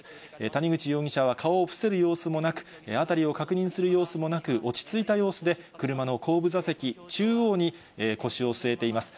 谷口容疑者は顔を伏せる様子もなく、辺りを確認する様子もなく、落ち着いた様子で車の後部座席中央に、腰を据えています。